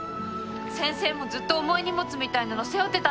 先生もずっと重い荷物みたいなの背負ってたんですよね？